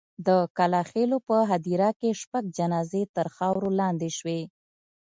د کلا خېلو په هدیره کې شپږ جنازې تر خاورو لاندې شوې.